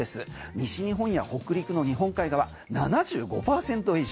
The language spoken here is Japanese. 西日本や北陸の日本海側７５％以上。